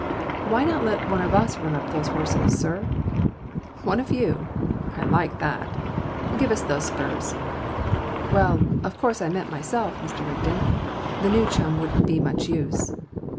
"Why not let one of us run up those horses, sir?" "One of you! I like that. Give us those spurs." "Well, of course I meant myself, Mr. Rigden. The new chum wouldn't be much use."